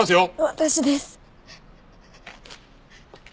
私です。